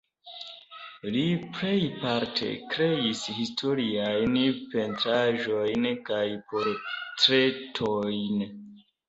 Li plejparte kreis historiajn pentraĵojn kaj portretojn.